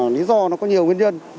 lý do nó có nhiều nguyên nhân